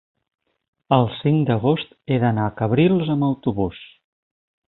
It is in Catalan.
el cinc d'agost he d'anar a Cabrils amb autobús.